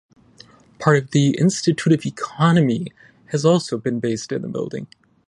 Part of the Institute of Economy has also been based in the building.